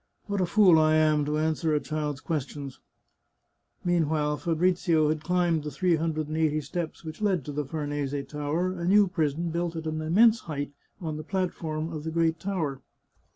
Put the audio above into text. " What a fool I am to answer a child's ques tions !" Meanwhile Fabrizio had climbed the three hundred and eighty steps which led to the Farnese Tower, a new prison built at an immense height on the platform of the great tower.